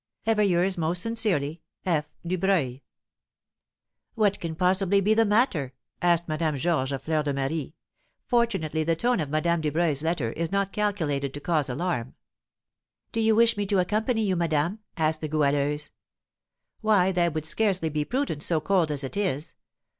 "Ever yours most sincerely, "F. DUBREUIL." "What can possibly be the matter?" asked Madame Georges of Fleur de Marie; "fortunately the tone of Madame Dubreuil's letter is not calculated to cause alarm." "Do you wish me to accompany you, madame?" asked the Goualeuse. "Why, that would scarcely be prudent, so cold as it is.